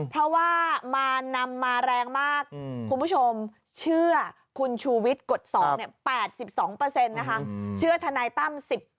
เพราะว่ามานำมาแรงมากคุณผู้ชมเชื่อคุณชูวิทย์กฎ๒๘๒นะคะเชื่อทนายตั้ม๑๐